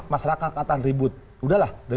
masyarakat kata ribut udahlah